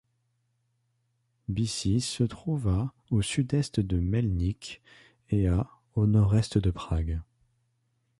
Byšice se trouve à au sud-est de Mělník et à au nord-est de Prague.